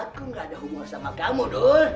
aku nggak ada hubungan sama kamu dul